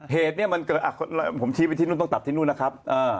เหตุเนี่ยมันเกิดผมชี้ไปที่นู่นต้องตัดที่นู่นนะครับ